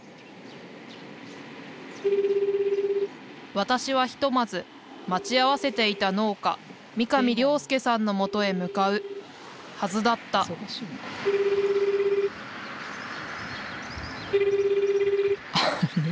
私はひとまず待ち合わせていた農家三上良介さんのもとへ向かうはずだったあれ？